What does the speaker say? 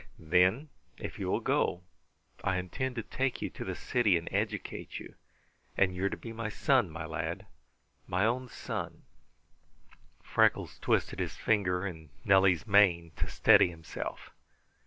Then, if you will go, I intend to take you to the city and educate you, and you are to be my son, my lad my own son!" Freckles twisted his finger in Nellie's mane to steady himself.